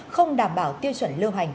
không đảm bảo tiêu chuẩn lưu hành